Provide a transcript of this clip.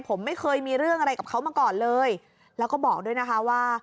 ผมไม่เคยมีเรื่องอะไรกับเขามาก่อนเลยแล้วก็บอกด้วยนะคะว่า